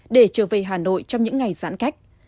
để trở về hà nội trong những ngày giãn cách